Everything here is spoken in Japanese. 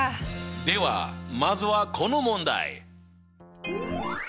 ではまずはこの問題！